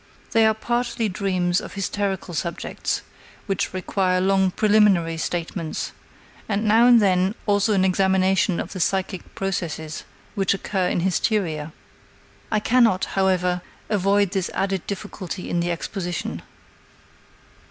They are partly dreams of hysterical subjects, which require long preliminary statements, and now and then also an examination of the psychic processes which occur in hysteria. I cannot, however, avoid this added difficulty in the exposition.